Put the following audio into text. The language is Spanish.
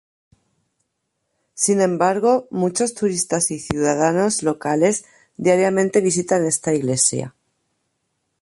Sin embargo, muchos turistas y ciudadanos locales diariamente visitan esta iglesia.